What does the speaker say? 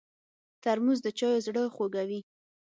ترموز د چایو زړه خوږوي.